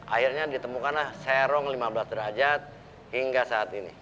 akhirnya ditemukanlah serong lima belas derajat hingga saat ini